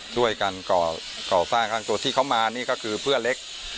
ช่วยกันก่อสร้างข้างตัวที่เขามานี่ก็คือเพื่อนเล็ก